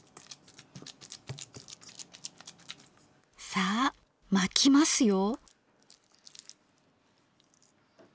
さあ巻きますよ。